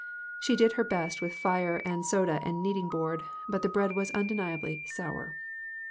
She did her best with fire and soda and kneading board, but the bread was undeniably sour.